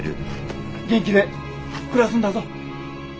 元気で暮らすんだぞ。